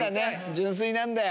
純粋なんだよ。